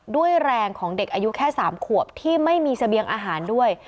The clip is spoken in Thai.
ด้วยแรงของเด็กอายุแค่๓ขวบที่ไม่มีเสบียงอาหารด้วย